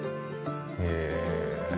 へえ。